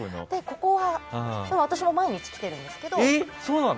ここは私も毎日来ているんですけど。